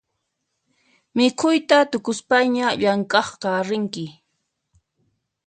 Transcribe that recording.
Mikhuyta tukuspaña llamk'aqqa rinki